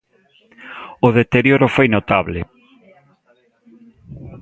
O deterioro foi notable.